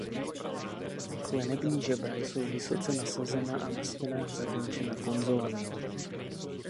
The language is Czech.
Klenební žebra jsou vysoce nasazena a na stěnách zakončena konzolami.